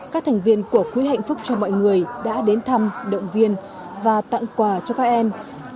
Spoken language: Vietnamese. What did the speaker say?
các thành viên của quỹ hạnh phúc cho mọi người đã đến thăm động viên và tặng quà cho các em